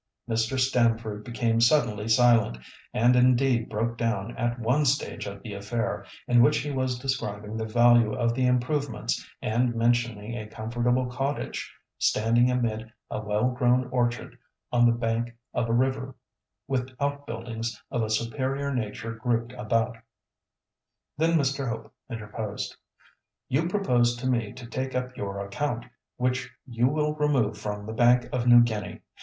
Mr. Stamford became suddenly silent, and indeed broke down at one stage of the affair, in which he was describing the value of the improvements, and mentioning a comfortable cottage, standing amid a well grown orchard on the bank of a river, with out buildings of a superior nature grouped around. Then Mr. Hope interposed. "You propose to me to take up your account, which you will remove from the Bank of New Guinea.